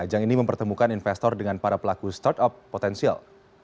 ajang ini mempertemukan investor dengan para pelaku startup potensial